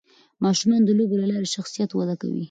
ماشومان د لوبو له لارې شخصیت وده کوي.